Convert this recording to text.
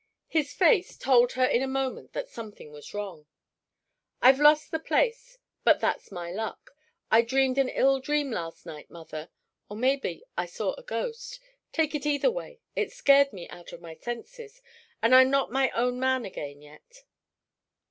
His face told her in a moment that something was wrong. "I've lost the place; but that's my luck. I dreamed an ill dream last night, mother or maybe I saw a ghost. Take it either way, it scared me out of my senses, and I'm not my own man again yet."